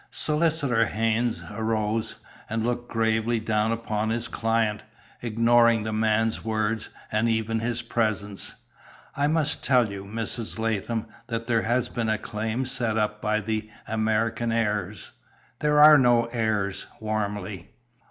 Solicitor Haynes arose, and looked gravely down upon his client, ignoring the man's words, and even his presence. "I must tell you, Mrs. Latham, that there has been a claim set up by the American heirs." "There are no heirs!" warmly.